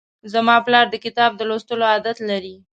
زما پلار د کتاب د لوستلو عادت لري.